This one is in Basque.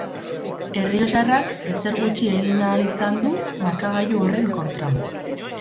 Errioxarrak ezer gutxi egin ahal izan du markagailu horren kontra.